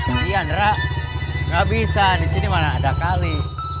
iya nera gak bisa di sini mana ada kali